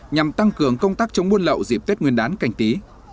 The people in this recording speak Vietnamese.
nhằm tăng cường công tác chống buôn lậu dịp tết nguyên đán canh tí